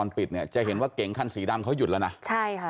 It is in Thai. ปิดเนี่ยจะเห็นว่าเก๋งคันสีดำเขาหยุดแล้วนะใช่ค่ะ